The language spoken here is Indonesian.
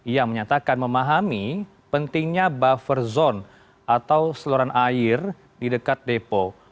ia menyatakan memahami pentingnya buffer zone atau seluruh air di dekat depo